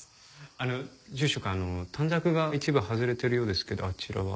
あの住職短冊が一部外れているようですけどあちらは？